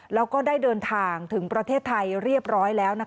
แล้วก็ได้เดินทางถึงประเทศไทยเรียบร้อยแล้ว